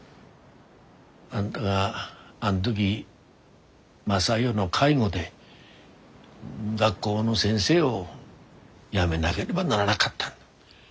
あんたがあん時雅代の介護で学校の先生を辞めなげればならながったの。